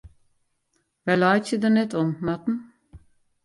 Wy laitsje der net om, Marten.